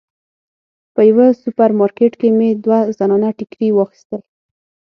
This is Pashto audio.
په یوه سوپر مارکیټ کې مې دوه زنانه ټیکري واخیستل.